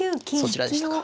そちらでしたか。